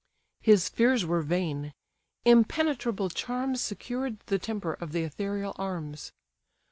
His fears were vain; impenetrable charms Secured the temper of the ethereal arms.